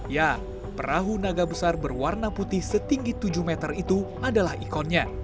ya perahu naga besar berwarna putih setinggi tujuh meter itu adalah ikonnya